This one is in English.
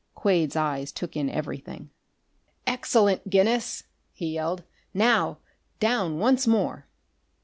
Quade's eyes took in everything. "Excellent, Guinness!" he yelled. "Now down once more!"